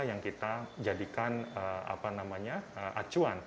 yang kita jadikan acuan